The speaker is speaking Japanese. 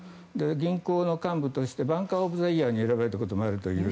銀行の幹部としてバンカー・オブ・ザ・イヤーに選ばれたこともあるという。